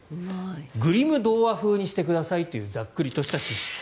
グリム童話風にしてくださいというざっくりとした指示。